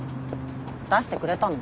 出してくれたの？